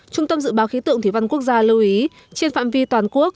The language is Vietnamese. trung tâm dự báo khí tượng thủy văn quốc gia lưu ý trên phạm vi toàn quốc